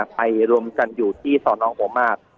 ไปรวมกันอยู่ที่สอนองหัวมาก